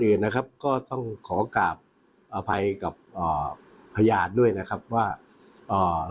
อื่นนะครับก็ต้องขอกราบอภัยกับอ่าพยานด้วยนะครับว่าอ่า